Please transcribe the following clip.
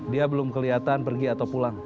dia belum kelihatan pergi atau pulang